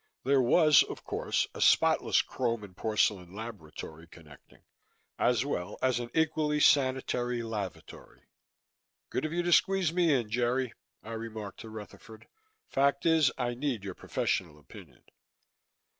There was, of course, a spotless chrome and porcelain laboratory connecting, as well as an equally sanitary lavatory. "Good of you to squeeze me in, Jerry," I remarked to Rutherford. "Fact is I need your professional opinion."